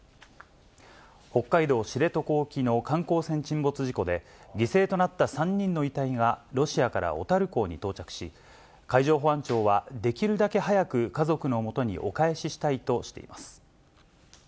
北海道知床沖の観光船沈没事故で、犠牲となった３人の遺体がロシアから小樽港に到着し、海上保安庁は、できるだけ早く家族の元にお返ししたいとしています。